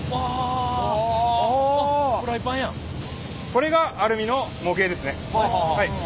これがアルミの模型ですね。